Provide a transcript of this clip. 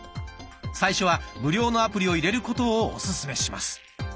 最初は無料のアプリを入れることをオススメします。